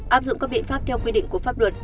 áp dụng các biện pháp theo quy định của pháp luật